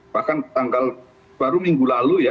bahkan tanggal baru minggu lalu ya